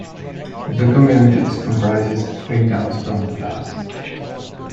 The community is comprises three towns from the past.